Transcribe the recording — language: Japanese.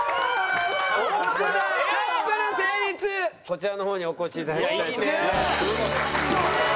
こちらの方にお越しいただきたいと思います。